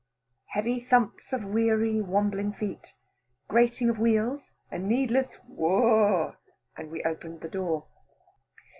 Heavy thumps of weary wambling feet, grating of wheels, a needless "whoa," and we open the door.